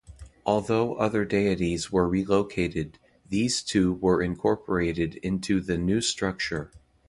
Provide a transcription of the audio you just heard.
Although other deities were relocated, these two were incorporated into the new structure.